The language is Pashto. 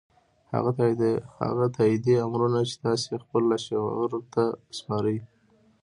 هغه تاييدي امرونه چې تاسې يې خپل لاشعور ته سپارئ.